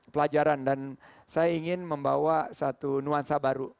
pelajaran dan saya ingin membawa satu nuansa baru